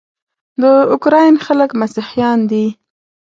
د اوکراین خلک مسیحیان دي.